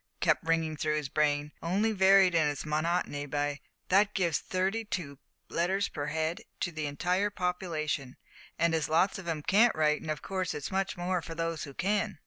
kept ringing through his brain; only varied in its monotony by "that gives thirty two letters per head to the entire population, and as lots of 'em can't write, of course it's much more for those who can!